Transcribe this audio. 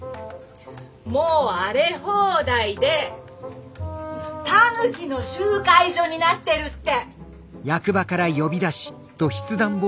もう荒れ放題でたぬきの集会所になってるって。